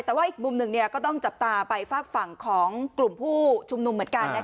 แต่ว่าอีกมุมหนึ่งก็ต้องจับตาไปฝากฝั่งของกลุ่มผู้ชุมนุมเหมือนกัน